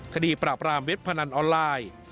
ปราบรามเว็บพนันออนไลน์